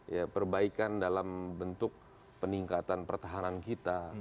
ya perbaikan dalam bentuk peningkatan pertahanan kita